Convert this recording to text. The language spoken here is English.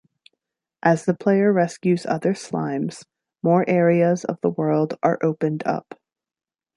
As the player rescues other slimes, more areas of the world are opened up.